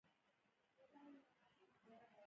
زده کړه د نجونو د خبرو کولو مهارتونه ښه کوي.